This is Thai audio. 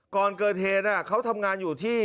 ก่อนเกิดเหตุเขาทำงานอยู่ที่